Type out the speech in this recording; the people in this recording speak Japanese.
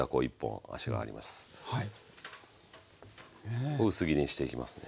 はい。を薄切りにしていきますね。